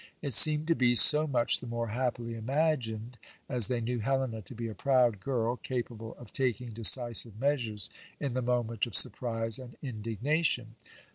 It seemed to be so much the more happily imagined, as they knew Helena to be a proud girl, capable of taking decisive measures, in the moment of surprise and indignation.